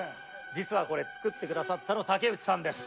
実はこれ作ってくださったの竹内さんです。